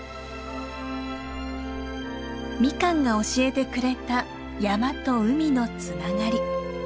ミカンが教えてくれた山と海のつながり。